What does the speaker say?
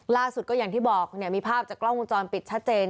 ล่าสุดก็อย่างที่บอกเนี่ยมีภาพจากกล้องกุญจรปิดชัดเจน